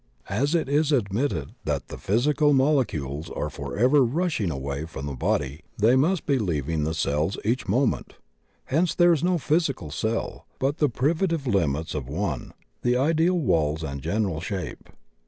As it is admitted that the physical molecules are forever rushing away from the body, they must be leaving the cells each moment. Hence there is no physical cell, but the privative limits of one, the ideal walls and general shape.